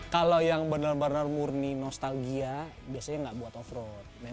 kalau yang benar benar murni nostalgia biasanya nggak buat off road